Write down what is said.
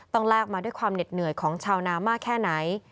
ต้องลากมาด้วยความเหน็ดเหนื่อยของชาวนามากแค่ไหน